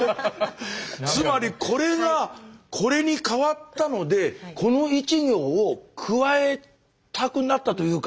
つまりこれがこれに変わったのでこの１行を加えたくなったというか。